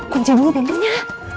kunci dulu bingungnya